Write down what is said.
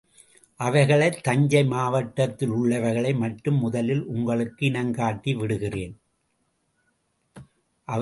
அவைகளை தஞ்சை மாவட்டத்திலுள்ளவைகளை மட்டும் முதலில் உங்களுக்கு இனம் காட்டி விடுகிறேன்.